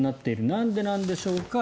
なんでなんでしょうか。